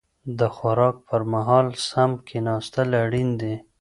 د خوراک پر مهال سم کيناستل اړين دي.